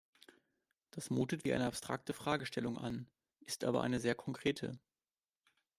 Das mutet wie eine abstrakte Fragestellung an, ist aber eine sehr konkrete.